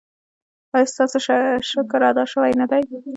ایا ستاسو شکر ادا شوی نه دی؟